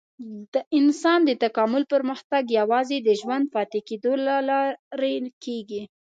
د انسان د تکامل پرمختګ یوازې د ژوندي پاتې کېدو له لارې کېږي.